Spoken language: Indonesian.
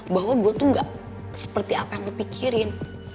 bahwa gue tuh gak seperti apa yang lo pikirin